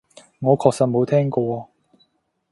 我確實冇聽過